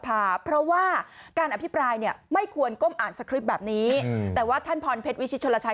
ภาวะเพราะว่าการอภิปรายเนี่ยไม่ควรก้มอ่านสคริปต์แบบนี้แต่ว่าท่านพรเพชรวิชิตชนลชัย